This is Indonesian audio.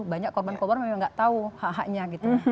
banyak korban korban memang nggak tahu hak haknya gitu